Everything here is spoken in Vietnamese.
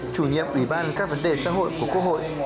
chủ nhiệm ủy ban các vấn đề xã hội của quốc hội